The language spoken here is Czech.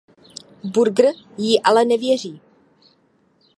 Burger jí ale nevěří.